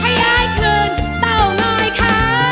พระยายคืนเต้อง้อยค่ะ